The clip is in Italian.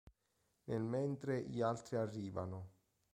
Nel mentre gli altri arrivano.